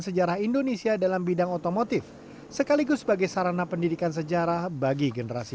sejarah indonesia dalam bidang otomotif sekaligus sebagai sarana pendidikan sejarah bagi generasi